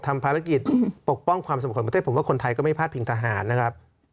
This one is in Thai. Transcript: ทำภารกิจปกป้องความสมควรประเทศผมว่าคนไทยก็ไม่พลาดพิงทหารนะครับ